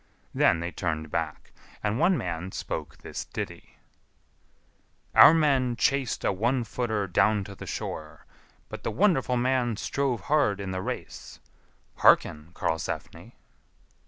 Then they turned back, and one man spake this ditty: "Our men chased (all true it is) a One footer down to the shore; but the wonderful man strove hard in the race....[D] Hearken, Karlsefni."